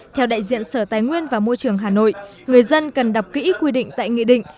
theo đại diện sở tài nguyên và môi trường hà nội người dân cần đọc kỹ quy định tại nghị định